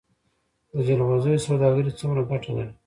د جلغوزیو سوداګري څومره ګټه لري؟